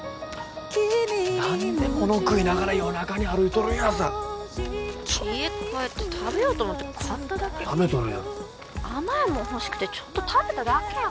何でもの食いながら夜中に歩いとるんやさ家帰って食べようと思って買っただけ食べとるやろ甘いもんほしくてちょっと食べただけやもん